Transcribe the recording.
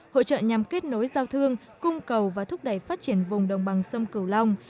hội trợ nhằm kết nối giao thương cung cầu và thúc đẩy phát triển vùng đồng bằng sông cửu long